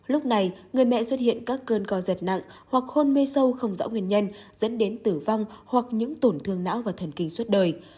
lúc này người mẹ xuất hiện các cơn co giật nặng hoặc hôn mê sâu không rõ nguyên nhân dẫn đến tử vong hoặc những tổn thương não và thần kinh suốt đời